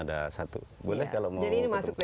ada satu boleh kalau mau jadi ini masuk